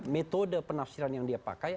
metode penafsiran yang dia pakai